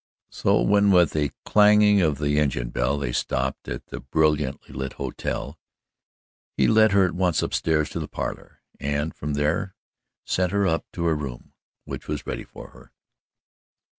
So, when with a clanging of the engine bell they stopped at the brilliantly lit hotel, he led her at once upstairs to the parlour, and from there sent her up to her room, which was ready for her.